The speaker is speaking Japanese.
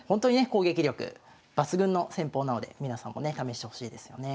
攻撃力抜群の戦法なので皆さんもね試してほしいですよね。